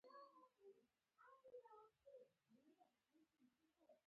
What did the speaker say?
غږ یو مهم پیغام رسوي.